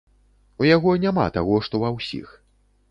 У яго няма таго, што ва ўсіх.